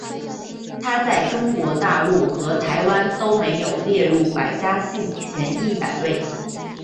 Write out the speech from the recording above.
它在中国大陆和台湾都没有列入百家姓前一百位。